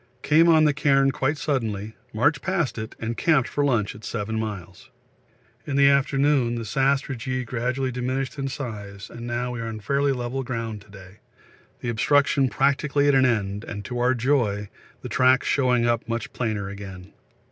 Came on the cairn quite suddenly, marched past it, and camped for lunch at 7 miles. In the afternoon the sastrugi gradually diminished in size and now we are on fairly level ground to day, the obstruction practically at an end, and, to our joy, the tracks showing up much plainer again.